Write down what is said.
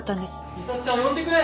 美里ちゃんを呼んでくれ！